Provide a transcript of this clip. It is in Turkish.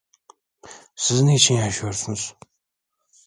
Siz niçin yaşıyorsunuz?